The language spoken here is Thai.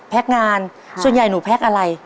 งานส่วนใหญ่หนูแพ็คอะไร